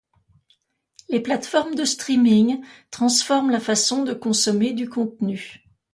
Les plateformes de streaming transforment la façon de consommer du contenu.